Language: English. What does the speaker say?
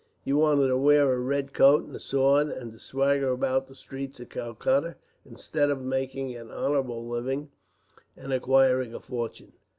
You wanted to wear a red coat and a sword, and to swagger about the streets of Calcutta, instead of making an honorable living and acquiring a fortune."